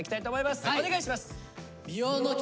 お願いします！